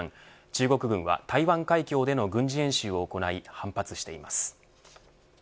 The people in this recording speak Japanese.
中国軍は台湾海峡での軍事演習を行い反発しています。